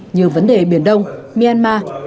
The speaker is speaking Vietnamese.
như vấn đề biển đông myanmar